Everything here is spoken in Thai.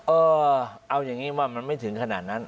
เออเอาอย่างนี้ว่ามันไม่ถึงขนาดนั้น